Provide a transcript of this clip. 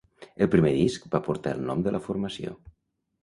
El primer disc va portar el nom de la formació.